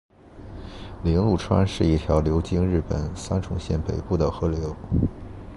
铃鹿川是一条流经日本三重县北部的河流。